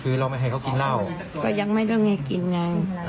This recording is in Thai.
อ๋อคือเราไม่ให้เขากินเหล้าก็ยังไม่ได้ให้กินไงอ๋อ